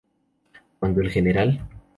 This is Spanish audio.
Cuando el Gral.